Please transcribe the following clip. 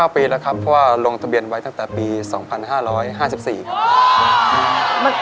ปีแล้วครับเพราะว่าลงทะเบียนไว้ตั้งแต่ปี๒๕๕๔ครับ